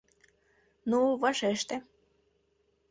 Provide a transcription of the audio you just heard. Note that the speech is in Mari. Ну, вашеште.